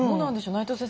内藤先生